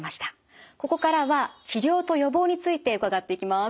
ここからは治療と予防について伺っていきます。